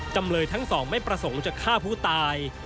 จำเลยทั้งสองไม่ประสงค์จะฆ่าผู้ตาย